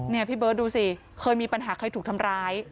นี่พี่เบิร์ตดูสิเคยมีปัญหาเคยถูกทำร้าย